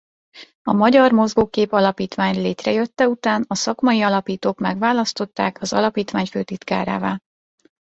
A Magyar Mozgókép Alapítvány létrejötte után a szakmai alapítók megválasztották az alapítvány főtitkárává.